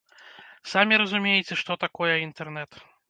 Самі разумееце, што такое інтэрнэт.